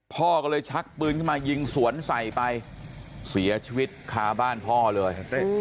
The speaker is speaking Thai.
พ่อก็เลยชักปืนขึ้นมายิงสวนใส่ไปเสียชีวิตคาบ้านพ่อเลย